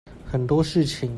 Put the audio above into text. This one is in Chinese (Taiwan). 很多事情